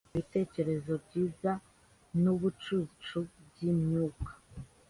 nibitekerezo byiza nibicucu byimyuka